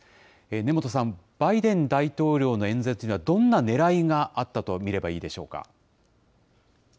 根本さん、バイデン大統領の演説には、どんなねらいがあったと見ればいいでしょうか。